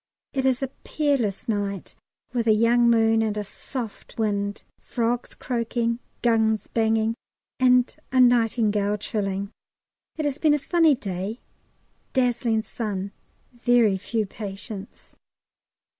It is a peerless night with a young moon and a soft wind, frogs croaking, guns banging, and a nightingale trilling. It has been a funny day, dazzling sun, very few patients.